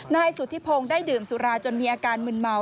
นายสุธิพงศ์ได้ดื่มสุราจนมีอาการมึนเมา